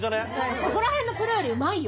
そこらへんのプロよりうまいよ！